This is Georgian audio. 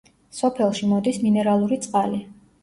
სოფელში მოდის მინერალური წყალი.